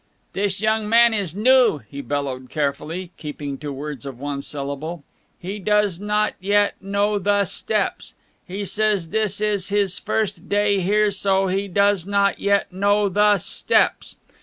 "This young man is new," he bellowed carefully, keeping to words of one syllable. "He does not yet know the steps. He says this is his first day here, so he does not yet know the steps.